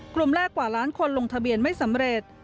กลุ่มแรกกว่าล้านคนลงทะเบียนไม่สำเร็จ